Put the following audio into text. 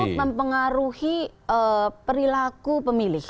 tidak cukup mempengaruhi perilaku pemilih